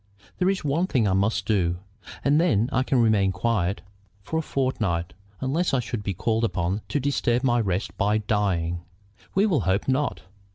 There is one thing I must do, and then I can remain quiet for a fortnight, unless I should be called upon to disturb my rest by dying." "We will hope not."